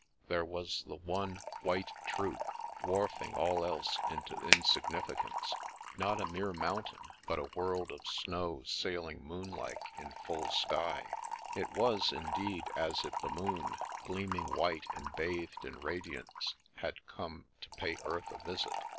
There was the one White Truth, dwarfing all else into insignificance; not a mere mountain, but a world of snow sailing moon like in full sky. It was, indeed, as if the moon, gleaming white and bathed in radiance, had come to pay Earth a visit.